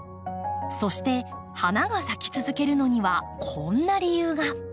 そして花が咲き続けるのにはこんな理由が。